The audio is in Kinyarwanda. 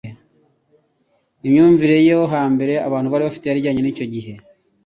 imyumvire yo hambere abantu bari bafite yari ijyane nicyo gihe